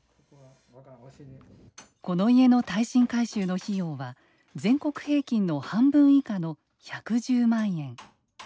この家の耐震改修の費用は全国平均の半分以下の１１０万円。